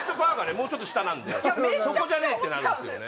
もうちょっと下なんでそこじゃねえってなるんですよね。